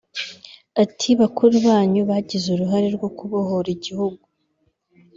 Ati “Bakuru banyu bagize uruhare rwo kubohora igihugu